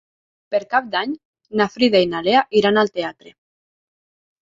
Per Cap d'Any na Frida i na Lea iran al teatre.